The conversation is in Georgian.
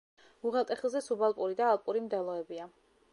უღელტეხილზე სუბალპური და ალპური მდელოებია.